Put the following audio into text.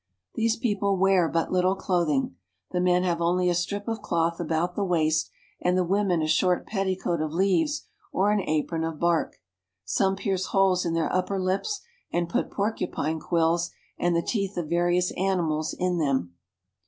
These people wear but little clothing. The men have only a strip of cloth about the waist, and the women a short petticoat of leaves or an apron of bark. Some pierce holes in their upper lips and put porcupine quills and the teeth of various animals in them.